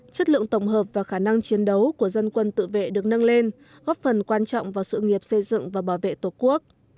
chất lượng tổng hợp và khả năng chiến đấu của dân quân tự vệ được nâng lên góp phần quan trọng vào sự nghiệp xây dựng và bảo vệ tổ quốc